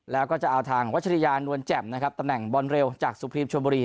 แล้วก็จะเอาทางวัชริยานวลแจ่มนะครับตำแหน่งบอลเร็วจากสุพรีมชวนบุรี